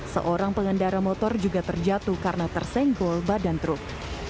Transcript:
seorang pengendara motor juga terjatuh karena tersenggol badan truk